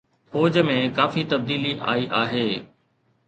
فوج ۾ ڪافي تبديلي آئي آهي